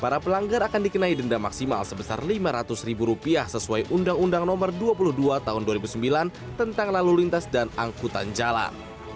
para pelanggar akan dikenai denda maksimal sebesar lima ratus ribu rupiah sesuai undang undang no dua puluh dua tahun dua ribu sembilan tentang lalu lintas dan angkutan jalan